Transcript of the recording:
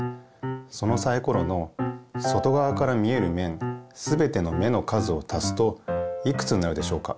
そのサイコロの外側から見えるめんすべての目の数をたすといくつになるでしょうか？